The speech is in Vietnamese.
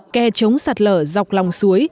ke chống sạt lở dọc lòng suối